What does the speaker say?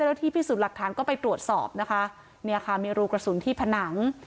แล้วที่พิสูจน์หลักฐานก็ไปตรวจสอบนะคะเนี่ยค่ะมีรูกระสุนที่ผนัง